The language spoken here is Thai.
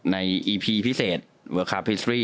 ในอีพีพิเศษ